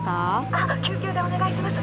☎あっ救急でお願いします。